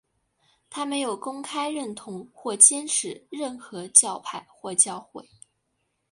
他没有公开认同或坚持任何教派或教会。